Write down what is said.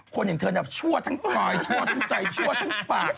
คนอย่างเธอเนี่ยชั่วทั้งซอยชั่วทั้งใจชั่วทั้งปาก